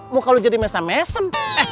muka lu jadi mesem mesem